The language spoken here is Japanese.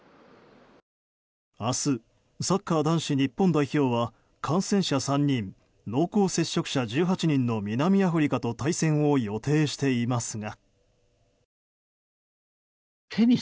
明日、サッカー男子日本代表は感染者３人濃厚接触者１８人の南アフリカと対戦を予定していますが。